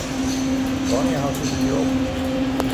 Wanneer houdt dit een keer op?